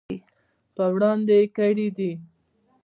په وړاندې یې کړي دي.